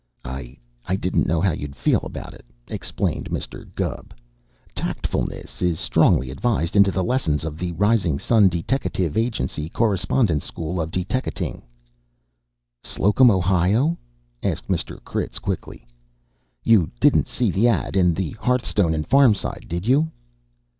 "I didn't know how you'd feel about it," explained Mr. Gubb. "Tactfulness is strongly advised into the lessons of the Rising Sun Deteckative Agency Correspondence School of Deteckating " "Slocum, Ohio?" asked Mr. Critz quickly. "You didn't see the ad. in the 'Hearthstone and Farmside,' did you?"